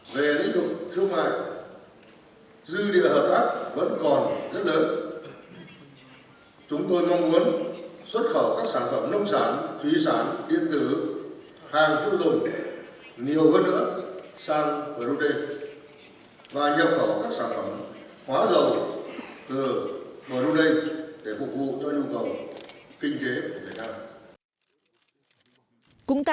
về lĩnh vực thương mại dư địa hợp tác vẫn còn rất lớn